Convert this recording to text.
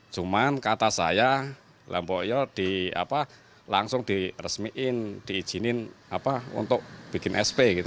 cuman kata saya lampok yo langsung diresmiin diizinin untuk bikin sp gitu